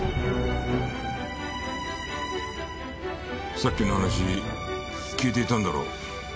さっきの話聞いていたんだろ？